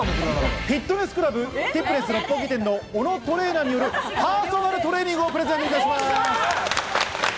フィットネスクラブ・ティップネス六本木店の小野トレーナーによる、パーソナルトレーニングをプレゼントいたします。